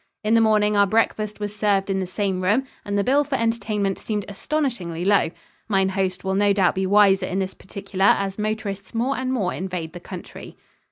In the morning, our breakfast was served in the same room, and the bill for entertainment seemed astonishingly low. Mine host will no doubt be wiser in this particular as motorists more and more invade the country.